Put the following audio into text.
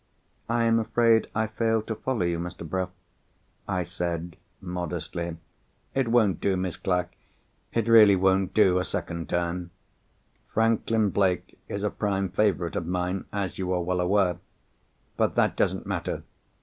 "I am afraid I fail to follow you, Mr. Bruff," I said, modestly. "It won't do, Miss Clack—it really won't do a second time. Franklin Blake is a prime favourite of mine, as you are well aware. But that doesn't matter.